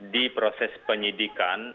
di proses penyidikan